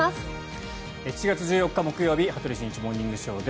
７月１４日、木曜日「羽鳥慎一モーニングショー」。